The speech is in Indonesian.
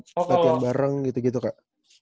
latihan bareng gitu gitu kak